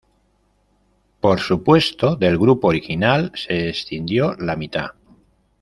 Por supuesto, del grupo original se escindió la mitad.